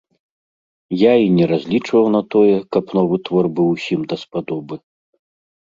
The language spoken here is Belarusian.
Я і не разлічваў на тое, каб новы твор быў усім даспадобы.